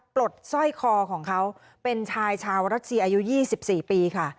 ปลดสร้อยคอของเขาเป็นชายชาวรัสเซียอายุ๒๔ปีค่ะ